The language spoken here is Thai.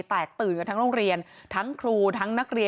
แตกตื่นกันทั้งโรงเรียนทั้งครูทั้งนักเรียน